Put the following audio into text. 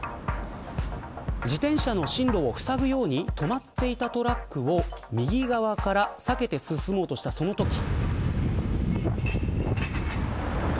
自転車の進路をふさぐように止まっていたトラックを右側から避けて進もうとしたそのとき。